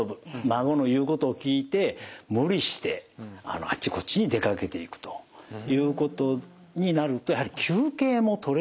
孫の言うことを聞いて無理してあっちこっちに出かけていくということになるとやはり休憩もとれなくて頑張ってしまう。